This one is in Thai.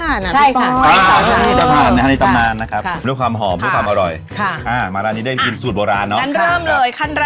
อันนี้เครื่องข้าวหมกนะอันนี้เครื่องที่เป็นของสดก่อน